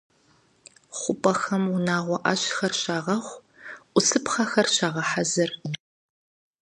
ХъупӀэхэм унагъуэ Ӏэщхэр щагъэхъу, Ӏусыпхъэхэр щагъэхьэзыр.